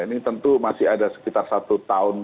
ini tentu masih ada sekitar satu tahun